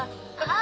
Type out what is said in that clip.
あ！